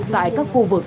tại các khu vực